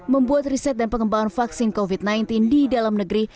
membuat riset dan pengembangan vaksin covid sembilan belas di dalam negeri